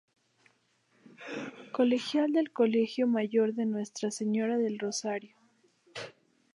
Colegial del Colegio Mayor de Nuestra Señora del Rosario.